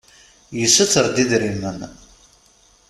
Yessuter-d idrimen.